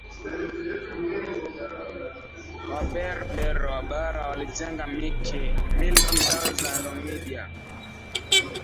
Waberber wa bara walijenga milki zao za Numidia